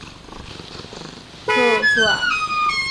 হো, হোয়া!